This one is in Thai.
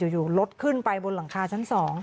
อยู่รถขึ้นไปบนหลังคาชั้น๒